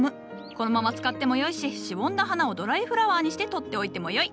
このまま使ってもよいししぼんだ花をドライフラワーにして取っておいてもよい。